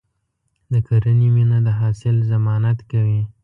د کرنې مینه د حاصل ضمانت کوي.